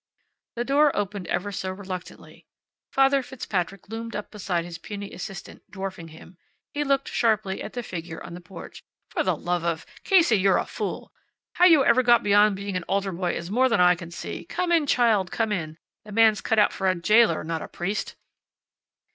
The door opened ever so reluctantly. Father Fitzpatrick loomed up beside his puny assistant, dwarfing him. He looked sharply at the figure on the porch. "For the love of ! Casey, you're a fool! How you ever got beyond being an altar boy is more than I can see. Come in, child. Come in! The man's cut out for a jailor, not a priest."